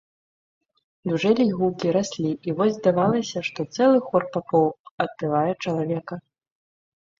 Дужэлі гукі, раслі, і вось здавалася, што цэлы хор папоў адпявае чалавека.